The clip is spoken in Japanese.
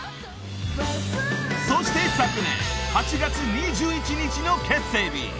［そして昨年８月２１日の結成日］